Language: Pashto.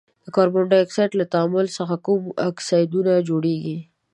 د کاربن او اکسیجن له تعامل څخه کوم اکسایدونه جوړیږي؟